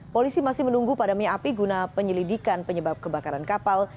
polisi masih menunggu padamnya api guna penyelidikan penyebab kebakaran kapal